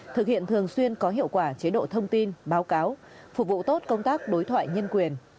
thực hiện thường xuyên có hiệu quả chế độ thông tin báo cáo phục vụ tốt công tác đối thoại nhân quyền